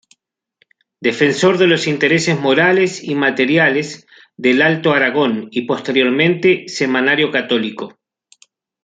Defensor de los intereses morales y materiales del Alto Aragón" y posteriormente "Semanario católico".